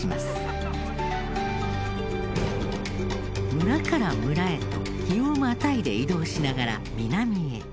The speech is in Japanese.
村から村へと日をまたいで移動しながら南へ。